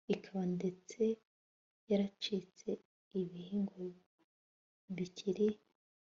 ikaba ndetse yaracitse ibihingwa bikiri